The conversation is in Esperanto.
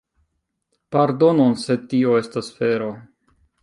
Pardonon, sed tio estas vero.